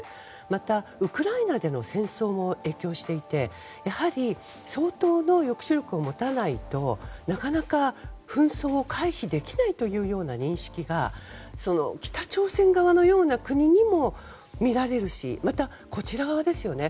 また、ウクライナでの戦争も影響していてやはり相当の抑止力を持たないとなかなか紛争を回避できないというような認識が北朝鮮側のような国にもみられるしまた、こちら側ですよね。